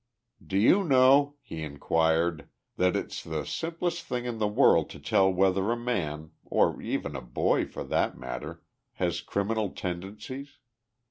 "Do you know," he inquired, "that it's the simplest thing in the world to tell whether a man or even a boy, for that matter has criminal tendencies?